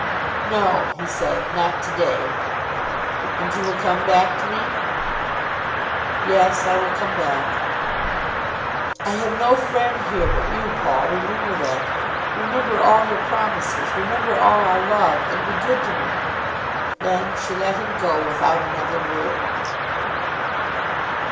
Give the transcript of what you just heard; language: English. "No, " he said; "not to day." "And you will come back to me?" "Yes; I will come back." "I have no friend here, but you, Paul. Remember that. Remember all your promises. Remember all our love, and be good to me." Then she let him go without another word.